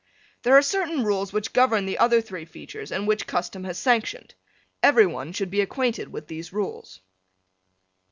There are certain rules which govern the other three features and which custom has sanctioned. Every one should be acquainted with these rules.